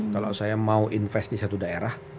kalau saya mau investasi di satu daerah